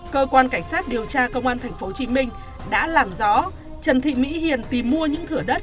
cơ quan cảnh sát điều tra công an tp hcm đã làm rõ trần thị mỹ hiền tìm mua những thửa đất